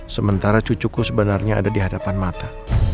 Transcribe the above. sementara cucuku sebenarnya ada di hadapan mata